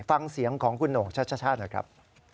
ฟังเสียงของคุณโหน่งชัชชาติหน่อยครับ